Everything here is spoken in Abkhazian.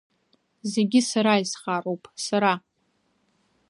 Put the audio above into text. Зегьы сара исхароуп, сара.